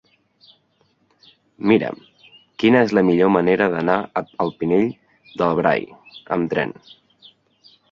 Mira'm quina és la millor manera d'anar al Pinell de Brai amb tren.